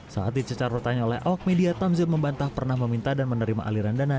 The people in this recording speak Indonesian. saat dicecar pertanyaan oleh awak media tamzil membantah pernah meminta dan menerima aliran dana